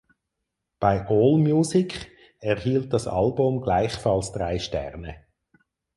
Bei Allmusic erhielt das Album gleichfalls drei Sterne.